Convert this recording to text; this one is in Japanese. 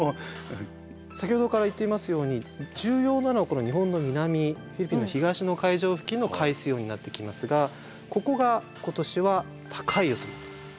先ほどから言っていますように重要なのはこの日本の南フィリピンの東の海上付近の海水温になってきますがここが今年は高い予想になっています。